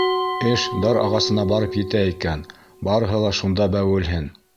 — Эш дар ағасына барып етә икән, барыһы ла шунда бәүелһен!